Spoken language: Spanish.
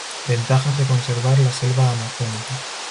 Ventajas de conservar la selva amazónica.